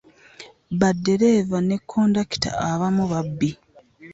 Ba ddereeva ne kondakite abamu babbi.